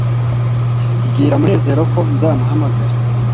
bwira munezero ko nzamuhamagara